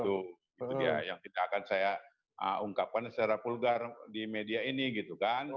itu dia yang tidak akan saya ungkapkan secara vulgar di media ini gitu kan